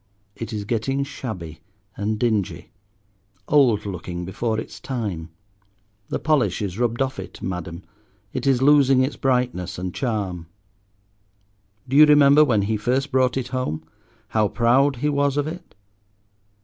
It is getting shabby and dingy, old looking before its time; the polish is rubbed off it, Madam, it is losing its brightness and charm. Do you remember when he first brought it home, how proud he was of it?